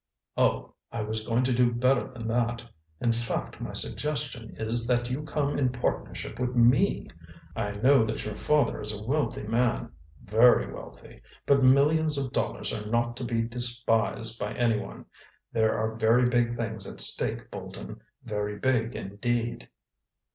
"Oh, I was going to do better than that. In fact, my suggestion is that you come in partnership with me. I know that your father is a wealthy man—very wealthy—but millions of dollars are not to be despised by anyone. There are very big things at stake, Bolton, very big indeed."